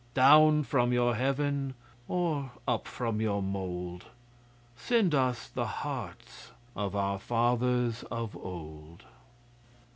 Down from your Heaven or up from your mould, Send us the hearts of our fathers of old!